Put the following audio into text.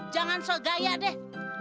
jangan sok gaya deh